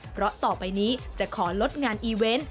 เพราะต่อไปนี้จะขอลดงานอีเวนต์